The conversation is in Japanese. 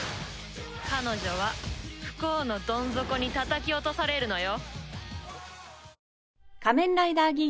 彼女は不幸のどん底にたたき落とされるのよ。